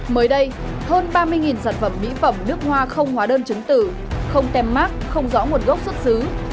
mới đây hơn ba mươi sản phẩm mỹ phẩm nước hoa không hóa đơn chứng tử không tem mát không rõ nguồn gốc xuất xứ